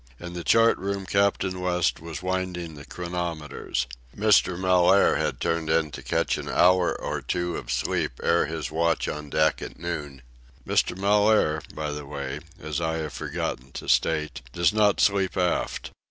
In the chart room Captain West was winding the chronometers. Mr. Mellaire had turned in to catch an hour or two of sleep ere his watch on deck at noon. Mr. Mellaire, by the way, as I have forgotten to state, does not sleep aft.